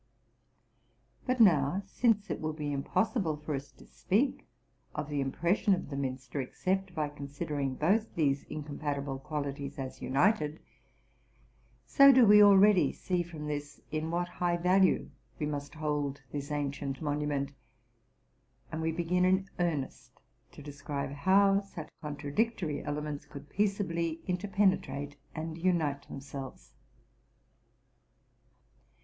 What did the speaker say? But now, since it will be impossible for us to speak of the impression of the minster except by considering both these incompatible qualities as united, so do we already see, from this, in what high value we must hold this ancient monument ; and we begin in earnest to describe how such contradictory elements could peaceably interpenetrate and unite themselves.